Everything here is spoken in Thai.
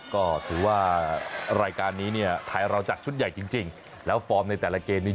ก็ถือว่ารายการนี้เนี่ยไทยเราจัดชุดใหญ่จริงแล้วฟอร์มในแต่ละเกมนี้